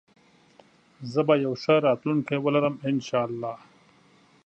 زه به يو ښه راتلونکي ولرم انشاالله